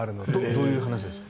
どういう話ですか？